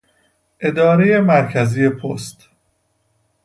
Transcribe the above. ادارهی مرکزی پست